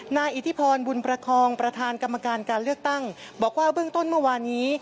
นายอิทธิพรบุญประคองประธานกรรมการการเลือกตั้งบอกว่าเบื้องต้นเมื่อวานี้